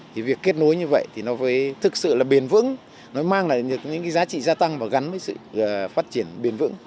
thì việc kết nối như vậy thì nó với thực sự là bền vững nó mang lại những cái giá trị gia tăng và gắn với sự phát triển bền vững